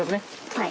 はい。